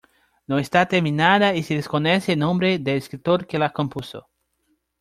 No está terminada y se desconoce el nombre del escritor que la compuso.